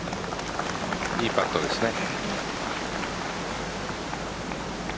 いいパットですね。